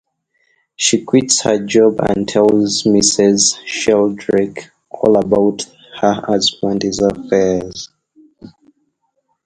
She quits her job and tells Mrs. Sheldrake all about her husband's affairs.